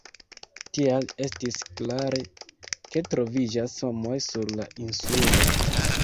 Tial estis klare, ke troviĝas homoj sur la insulo.